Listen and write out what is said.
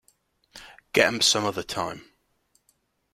Get 'em some other time.